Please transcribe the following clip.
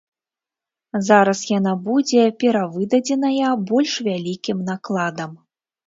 Зараз яна будзе перавыдадзеная больш вялікім накладам.